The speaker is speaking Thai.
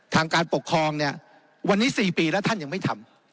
ทางการปกครองเนี่ยวันนี้๔ปีแล้วท่านยังไม่ทำ